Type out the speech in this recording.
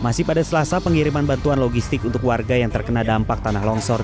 masih pada selasa pengiriman bantuan logistik untuk warga yang terkena dampak tanah longsor